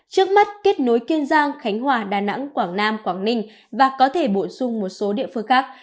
trước mắt kết nối kiên giang khánh hòa đà nẵng quảng nam quảng ninh và có thể bổ sung một số địa phương khác